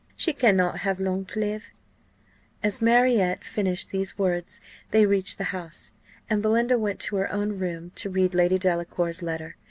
She cannot have long to live." As Marriott finished these words they reached the house, and Belinda went to her own room to read Lady Delacour's letter.